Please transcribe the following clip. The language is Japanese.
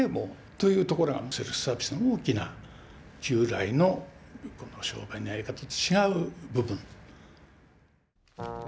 というところがセルフサービスの大きな従来の商売のやり方と違う部分。